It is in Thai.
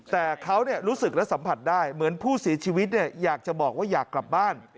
แต่เขารู้สึกและสัมผัสได้เหมือนผู้เสียชีวิตอยากจะบอกว่าอยากกลับบ้าน